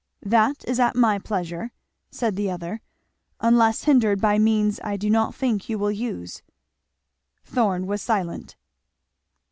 "That is at my pleasure," said the other, "unless hindered by means I do not think you will use." Thorn was silent.